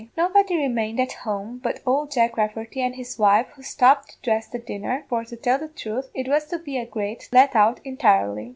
Nobody remained at home but ould Jack Rafferty an' his wife, who stopped to dress the dinner, for, to tell the truth, it was to be a great let out entirely.